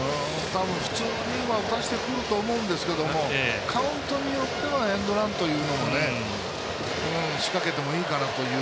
普通には打たせてくると思うんですけどカウントによってはエンドランというのもね仕掛けてもいいかなという。